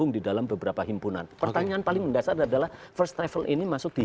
untuk memperangkatkan kalau